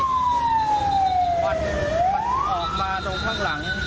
มันออกมาตรงข้างหลัง